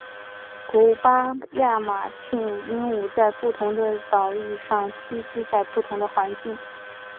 古巴亚马逊鹦鹉在不同的岛屿上栖息在不同的环境。